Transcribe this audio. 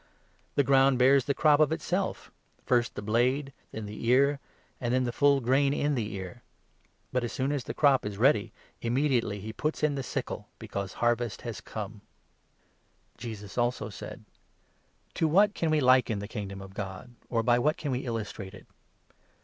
The ground 28 bears the crop of itself — first the blade, then the ear, and then the full grain in the ear ; but, as soon as the crop is ready, 29 immediately he ' puts in the sickle because harvest has come.' " Parable Jesus also said : 30 oVthe0 " To what can we liken the Kingdom of God ? 31 Mustard seed. or by what can we illustrate it?